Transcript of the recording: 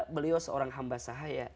beliau seorang hamba sahaya